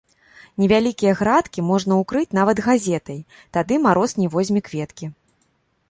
Невялікія градкі можна укрыць нават газетай, тады мароз не возьме кветкі.